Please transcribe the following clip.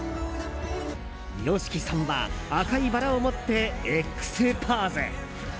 ＹＯＳＨＩＫＩさんは赤いバラを持って、Ｘポーズ。